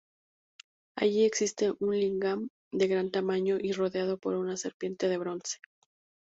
Allí existe un lingam de gran tamaño y rodeado por una serpiente de bronce.